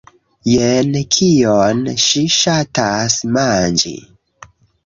Jen kion ŝi ŝatas manĝi